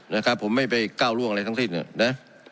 นะครับผมไม่ไปก้าวร่วงอะไรทั้งสิ้นนะ